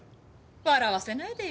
笑わせないでよ。